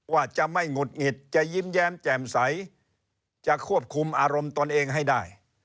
ว่าจะไม่หงุดหงิดจะยิ้มแย้มแจ่มใสจะควบคุมอารมณ์ตนเองให้ได้